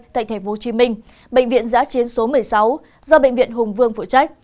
tại tp hcm bệnh viện giã chiến số một mươi sáu do bệnh viện hùng vương phụ trách